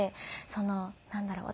そのなんだろう？